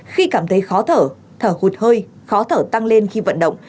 khi cảm thấy khó thở thở hụt hơi khó thở tăng lên khi vận động